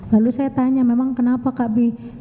lalu saya tanya memang kenapa kak bib